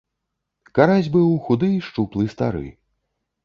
Карась быў худы і шчуплы стары.